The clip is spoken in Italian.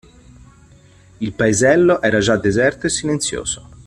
Il paesello era già deserto e silenzioso.